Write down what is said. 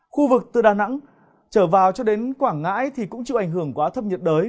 khu vực từ đà nẵng trở vào cho đến quảng ngãi thì cũng chịu ảnh hưởng của áp thấp nhiệt đới